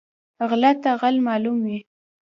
غله ته غل معلوم وي